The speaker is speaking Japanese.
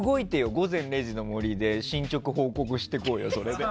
「午前０時の森」で進捗報告してこうよ、それで。